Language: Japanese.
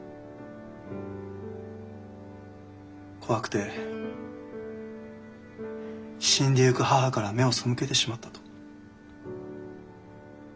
怖くて死んでいく母から目を背けてしまったと。